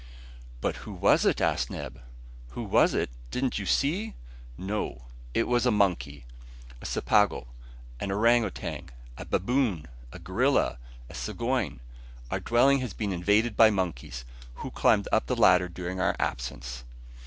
"But who was it?" asked Neb. "Who was it? Didn't you see?" "No." "It was a monkey, a sapago, an orang outang, a baboon, a gorilla, a sagoin. Our dwelling has been invaded by monkeys, who climbed up the ladder during our absence."